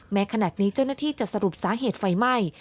ขณะนี้เจ้าหน้าที่จะสรุปสาเหตุไฟไหม้